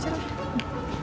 saya dengar maksudmu